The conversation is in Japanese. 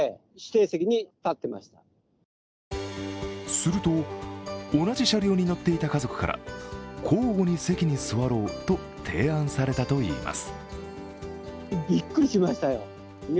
すると、同じ車両に乗っていた家族から交互に席に座ろうと提案されたといいます。